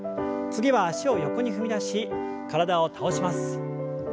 次は脚を横に踏み出し体を倒します。